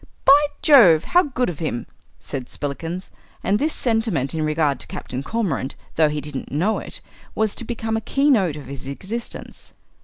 "By Jove, how good of him!" said Spillikins; and this sentiment in regard to Captain Cormorant, though he didn't know it, was to become a keynote of his existence.